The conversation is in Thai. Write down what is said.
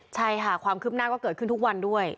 ใช่ค่ะความคืบหน้าก็เกิดขึ้นทุกวันด้วย